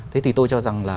thế thì tôi cho rằng là